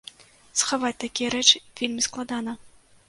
Схаваць такія рэчы вельмі складана!